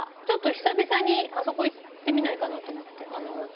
ちょっと久々に、あそこ行ってみないかなと思って。